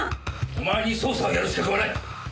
お前に捜査をやる資格はない。